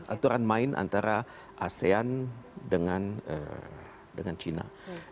aturan main antara asean dengan china